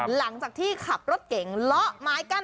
หลังจากที่ขับรถเก๋งเลาะไม้กั้น